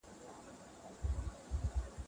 د باران څاڅکي حس کړئ.